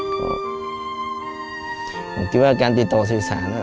ผมคิดว่าการติดต่อสื่อสาร